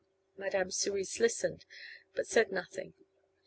Madame Cerise listened, but said nothing.